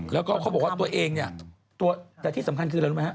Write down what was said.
แล้วก็เขาบอกว่าตัวเองเนี่ยแต่ที่สำคัญคืออะไรรู้ไหมฮ